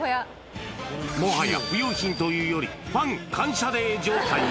もはや不要品というより、ファン感謝デー状態に。